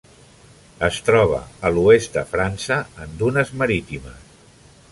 Es troba a l'oest de França en dunes marítimes.